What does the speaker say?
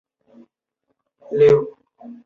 该报可在南京地铁各站台口免费取阅。